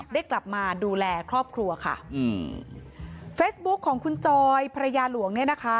ได้กลับมาดูแลครอบครัวค่ะอืมเฟซบุ๊คของคุณจอยภรรยาหลวงเนี่ยนะคะ